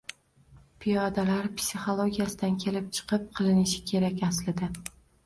Piyodalar psixologiyasidan kelib chiqib qilinishi kerak aslida.